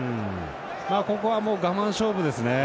ここはもう我慢勝負ですね。